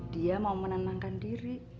dia mau menenangkan diri